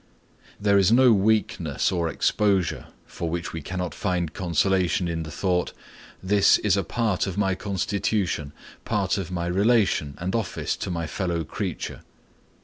There is no weakness or exposure for which we cannot find consolation in the thought—this is a part of my constitution, part of my relation and office to my fellow creature.